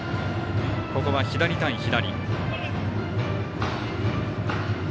ここは左対左。